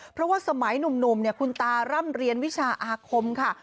เพราะว่าสมัยหนุ่มคุณตาร่ำเรียนวิชาอาคมค่ะ